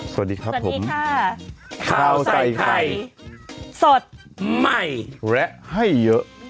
สวัสดีครับผมสวัสดีค่ะข้าวใส่ไข่สดใหม่และให้เยอะ